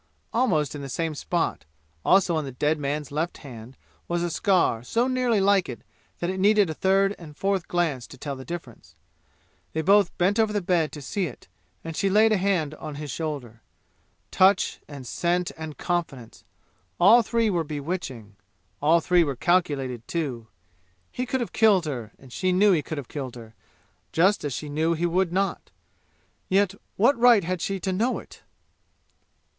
Almost in the same spot, also on the dead man's left hand, was a scar so nearly like it that it needed a third and a fourth glance to tell the difference. They both bent over the bed to see it, and she laid a hand on his shoulder. Touch and scent and confidence, all three were bewitching; all three were calculated, too! He could have killed her, and she knew he could have killed her, just as she knew he would not. Yet what right had she to know it!